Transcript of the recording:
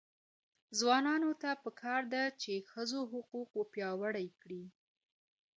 ځوانانو ته پکار ده چې، ښځو حقونه وپیاوړي کړي.